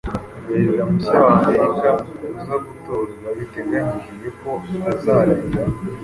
Perezida mushya wa Amerika uza gutorwa biteganyijwe ko azarahira